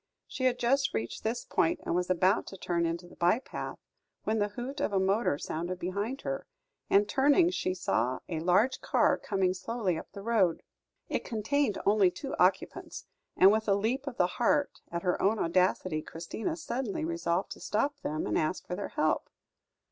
She had just reached this point, and was about to turn into the by path, when the hoot of a motor sounded behind her, and turning, she saw a large car coming slowly up the road. It contained only two occupants; and with a leap of the heart at her own audacity, Christina suddenly resolved to stop them, and ask for their help.